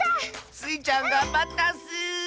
スイちゃんがんばったッス！